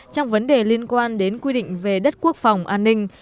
trong vấn đề liên quan đến quy định về đất quốc phòng an ninh